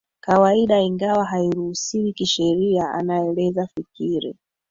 kawaida ingawa hairuhusiwi kisheria anaeleza Fikiri